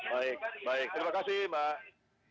baik baik terima kasih mbak